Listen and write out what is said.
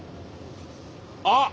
あっ！